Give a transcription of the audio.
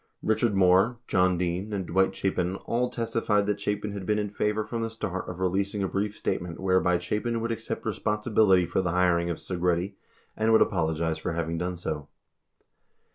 Richard Moore, John Dean, and Dwight Chapin all testified that Chapin had been in favor from the start of releasing a brief state ment whereby Chapin would accept responsibility for the hiring of Segretti and would apologize for having done so.